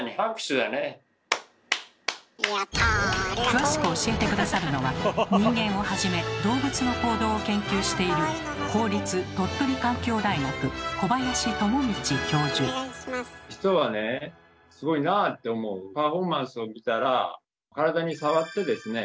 詳しく教えて下さるのは人間をはじめ動物の行動を研究している人はねすごいなあって思うパフォーマンスを見たら体に触ってですね